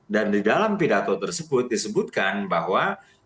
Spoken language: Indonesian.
dan di dalam pidato tersebut disebutkan bahwa